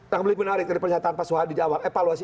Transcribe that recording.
yang lebih menarik dari pernyataan pak soehadi di awal evaluasi